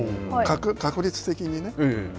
確率的にね。